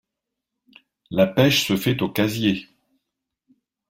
La pêche se fait au casier.